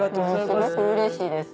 すごくうれしいです。